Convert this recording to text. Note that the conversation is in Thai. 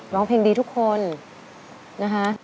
ร้องเพลงดีทุกคนนะคะ